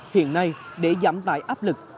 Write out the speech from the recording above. hiện nay để giảm tải áp lực